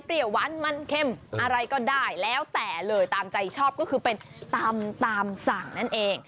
หวานมันเข้มอะไรก็ได้แล้วแต่เลยตามใจชอบก็คือเป็นตำตามสั่งนั่นเอง